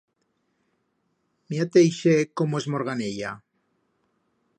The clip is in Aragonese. Mira-te ixe como esmorganeya.